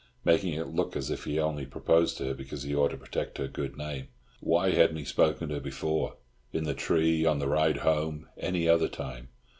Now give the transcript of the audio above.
Making it look as if he had only proposed to her because he ought to protect her good name! Why hadn't he spoken to her before—in the tree, on the ride home, any other time?